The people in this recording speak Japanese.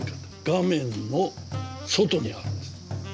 画面の外にあるんです。